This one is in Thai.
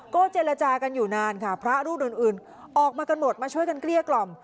ก็เจรจากันอยู่นานค่ะพระรูปอื่นออกมากันหมดมาช่วยกันเกลี้ยกล่อม